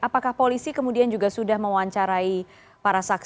apakah polisi kemudian juga sudah mewancarai para sakit